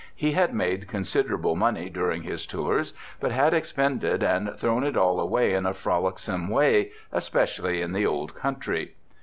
He had made con siderable money during his tours, but had expended and thrown it all away in a frolicsome way, especially in the old country.